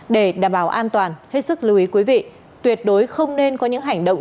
để đảm bảo an toàn hết sức lưu ý quý vị tuyệt đối không nên có những hành động